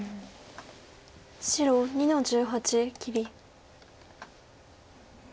白２の十八切り。